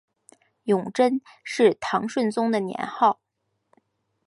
永贞是唐顺宗的年号。